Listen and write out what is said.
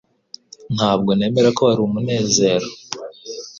Ntabwo nemera ko wari umunezero.